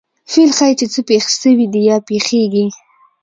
فعل ښيي، چي څه پېښ سوي دي یا پېښېږي.